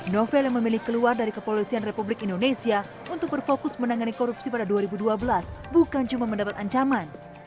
novel yang memilih keluar dari kepolisian republik indonesia untuk berfokus menangani korupsi pada dua ribu dua belas bukan cuma mendapat ancaman